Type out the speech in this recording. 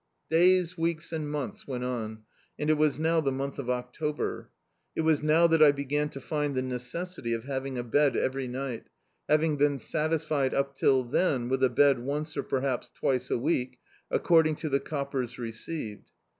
Days, weeks, and months went on, and it was now the miKith of October. It was now that I began to find the necessity of having a bed every night, having been satisfied up till then with a bed once or perhaps twice a week, according to the cop pers received.